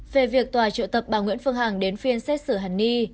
về việc tòa triệu tập bà nguyễn phương hằng đến phiên xét xử hàn ni